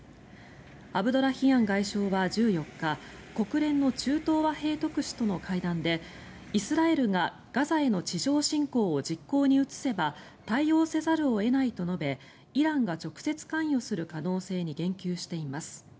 アブドラヒアン外相は１４日国連の中東和平特使の会談でイスラエルがガザへの地上侵攻を実行に移せば対応せざるを得ないと述べイランが直接関与する可能性に言及しています。